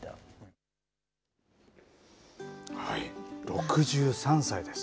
６３歳です。